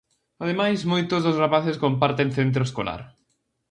Ademais, moitos dos rapaces comparten centro escolar.